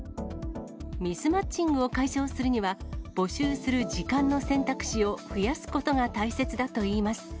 ミスマッチングを解消するには、募集する時間の選択肢を増やすことが大切だといいます。